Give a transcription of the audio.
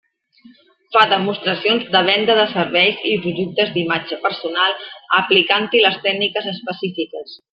Fa demostracions de venda de serveis i productes d'imatge personal aplicant-hi les tècniques específiques.